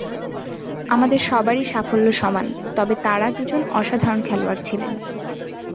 আমাদের সবারই সাফল্য সমান, তবে তাঁরা দুজন অসাধারণ খেলোয়াড় ছিলেন।